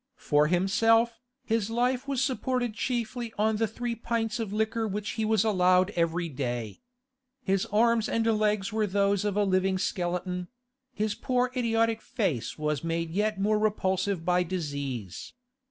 For himself, his life was supported chiefly on the three pints of liquor which he was allowed every day. His arms and legs were those of a living skeleton; his poor idiotic face was made yet more repulsive by disease.